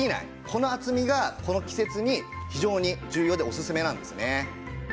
この厚みがこの季節に非常に重要でおすすめなんですね。